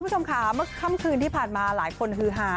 คุณผู้ชมค่ะเมื่อค่ำคืนที่ผ่านมาหลายคนฮือฮา